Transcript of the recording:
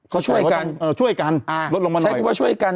เขาช่วยกันสิแรกว่าช่วยกัน